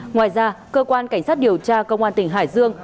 ngoài ra cơ quan cảnh sát điều tra công an tỉnh hải dương